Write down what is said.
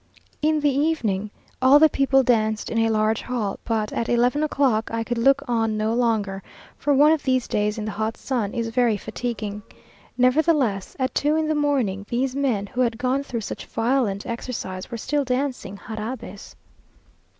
In the evening, all the people danced in a large hall; but at eleven o'clock I could look on no longer, for one of these days in the hot sun is very fatiguing. Nevertheless, at two in the morning, these men, who had gone through such violent exercise, were still dancing jarabes.